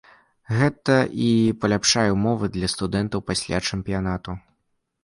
Гэта і паляпшае ўмовы для студэнтаў пасля чэмпіянату.